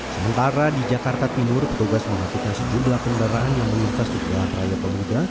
sementara di jakarta timur petugas mengakibat sejumlah pengendaraan yang melintas di belah raya pemuda